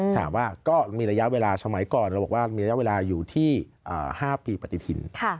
ถามว่าก็มีระยะเวลาสมัยก่อนเราบอกว่ามีระยะเวลาอยู่ที่๕ปีปฏิทิน